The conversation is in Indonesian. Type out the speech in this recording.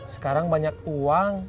sekarang banyak uang